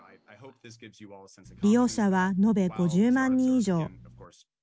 利用者は延べ５０万人以上。